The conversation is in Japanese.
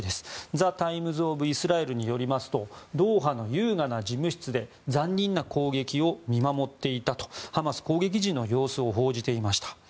ザ・タイムズ・オブ・イスラエルによりますとドーハの優雅な事務室で残忍な攻撃を見守っていたとハマス攻撃時の様子を報じていました。